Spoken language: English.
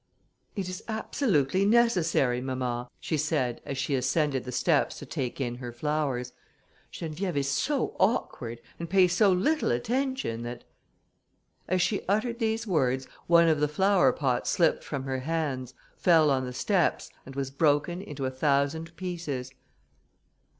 "It is absolutely necessary, mamma," she said, as she ascended the steps to take in her flowers, "Geneviève is so awkward, and pays so little attention, that...." As she uttered these words, one of the flowerpots slipped from her hands, fell on the steps, and was broken into a thousand pieces.